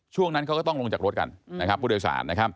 ช่วงนั้นเขาก็ต้องลงจากรถกันผู้โดยสาร